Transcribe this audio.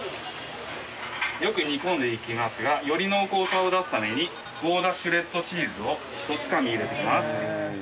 よく煮込んでいきますがより濃厚さを出すためにゴーダシュレッドチーズをひとつかみ入れていきます。